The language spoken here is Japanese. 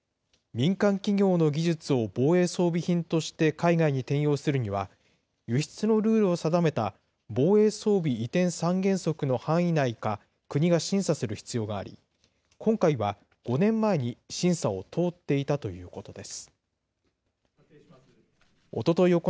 民間企業の技術を防衛装備品として海外に転用するには、輸出のルールを定めた防衛装備移転三原則の範囲内か、国が審査する必要があり、今回は５年前に審査を通っていたということです。